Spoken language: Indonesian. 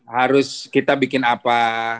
harus kita bikin apa